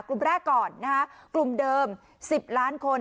กลุ่มแรกก่อนนะคะกลุ่มเดิม๑๐ล้านคน